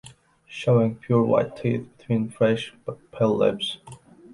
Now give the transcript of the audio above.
Showing pure white teeth between fresh but pale lips.